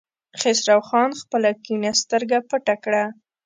خسرو خان خپله کيڼه سترګه پټه کړه.